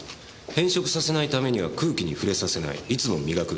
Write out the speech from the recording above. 変色させないためには「空気に触れさせないいつも磨く」